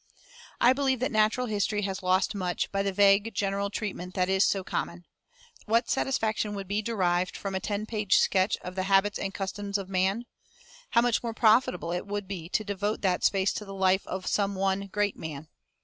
I believe that natural history has lost much by the vague general treatment that is so common. What satisfaction would be derived from a ten page sketch of the habits and customs of Man? How much more profitable it would be to devote that space to the life of some one great man.